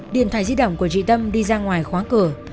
điện thoại di động của chị tâm đi ra ngoài khóa cửa